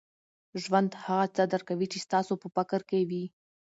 ژوند هغه څه درکوي، چي ستاسو په فکر کي وي.